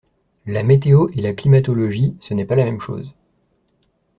La météo et la climatologie ce n'est pas la même chose.